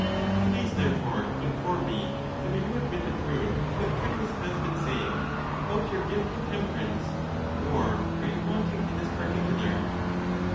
Please, therefore, to inform me whether you admit the truth of what Critias has been saying about your gift of temperance, or are you wanting in this par ticular?